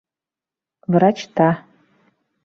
Врачта.